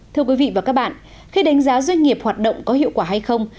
thưa quý vị và các bạn khi đánh giá doanh nghiệp hoạt động có hiệu quả hay không